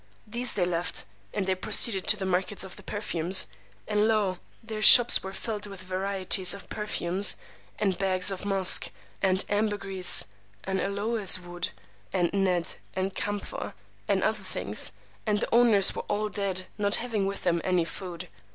These they left, and they proceeded to the market of the perfumers; and lo, their shops were filled with varieties of perfumes, and bags of musk, and ambergris, and aloes wood, and nedd, and camphor, and other things; and the owners were all dead, not having with them any food.